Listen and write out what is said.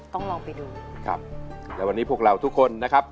ต้องลองไปดูครับและวันนี้พวกเราทุกคนนะครับ